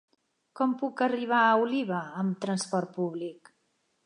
Com puc arribar a Oliva amb transport públic?